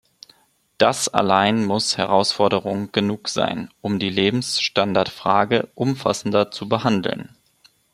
Das allein muss Herausforderung genug sein, um die Lebensstandardfrage umfassender zu behandeln.